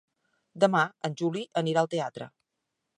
Demà en Juli anirà al teatre.